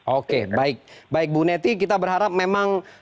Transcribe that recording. oke baik baik bu neti kita berharap memang